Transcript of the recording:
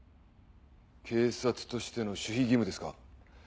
警察としての守秘義務ですか？